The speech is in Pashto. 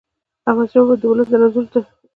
احمدشاه بابا د ولس د رنځونو درک درلود.